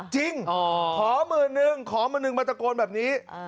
จริงอ๋อขอมือหนึ่งขอมือหนึ่งมาตะโกนแบบนี้อ่า